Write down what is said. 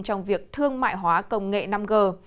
trong việc thương mại hóa công nghệ năm g